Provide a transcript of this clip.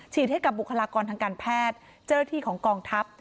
ให้กับบุคลากรทางการแพทย์เจ้าหน้าที่ของกองทัพ